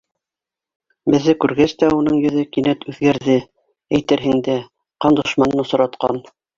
Беҙҙе күргәс тә уның йөҙө кинәт үҙгәрҙе, әйтерһең дә, ҡан дошманын осратҡан.